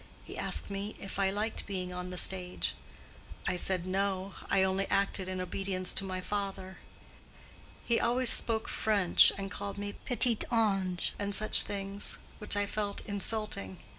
He asked me if I liked being on the stage. I said No, I only acted in obedience to my father. He always spoke French, and called me petite ange and such things, which I felt insulting.